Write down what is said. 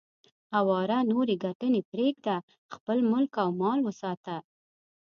اواره نورې ګټنې پرېږده، خپل ملک او مال وساته.